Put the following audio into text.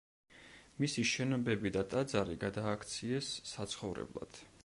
მისი შენობები და ტაძარი გადააქციეს საცხოვრებლად.